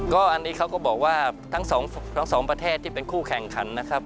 ก็อันนี้เขาก็บอกว่าทั้งสองประเทศที่เป็นคู่แข่งขันนะครับ